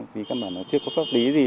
vì các bạn chưa có pháp lý gì